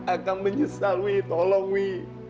akan menyesal wi tolong wi